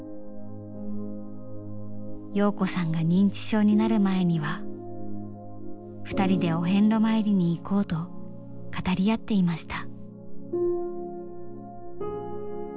洋子さんが認知症になる前には２人でお遍路参りに行こうと語り合っていました。